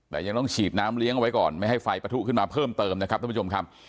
แต่ยังต้องฉีดน้ำเลี้ยงเอาไว้ก่อนไม่ให้ไฟปะทุขึ้นมาเพิ่มเติมนะครับท่านผู้ชมครับ